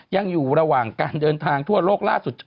ยังอยู่ระหว่างการเดินทางทั่วโลกล่าสุด